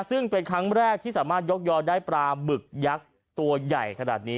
ซึ่งเป็นครั้งแรกที่สามารถยกยอได้ปลาหมึกยักษ์ตัวใหญ่ขนาดนี้